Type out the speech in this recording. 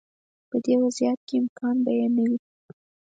په دې وضعیت کې امکان به یې نه وي.